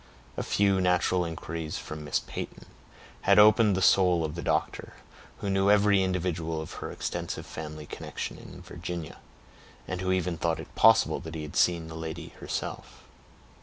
A few natural inquiries from Miss Peyton had opened the soul of the doctor, who knew every individual of her extensive family connection in Virginia, and who even thought it possible that he had seen the lady herself.